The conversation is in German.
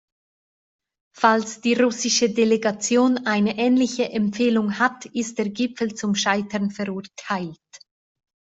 Falls die russische Delegation eine ähnliche Empfehlung hat, ist der Gipfel zum Scheitern verurteilt.